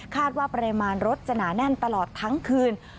ว่าปริมาณรถจะหนาแน่นตลอดทั้งคืน